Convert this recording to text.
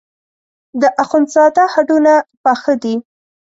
د اخوندزاده هډونه پاخه دي.